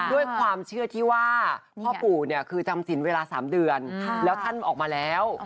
ด้วยความเชื่อที่ว่าพ่อปู่เนี่ยคือจำสินเวลา๓เดือนแล้วท่านออกมาแล้ว